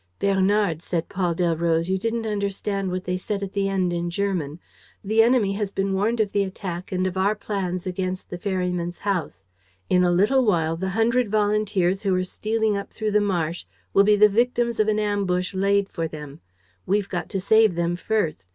"Bernard," said Paul Delroze, "you didn't understand what they said at the end, in German. The enemy has been warned of the attack and of our plans against the ferryman's house. In a little while, the hundred volunteers who are stealing up through the marsh will be the victims of an ambush laid for them. We've got to save them first.